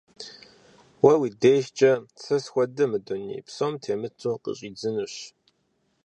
Уэ уи дежкӀэ сэ схуэдэ мы дуней псом темыту къыщӀидзынущ.